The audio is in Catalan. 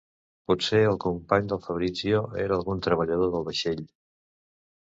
Potser el company del Fabrizio era algun treballador del vaixell.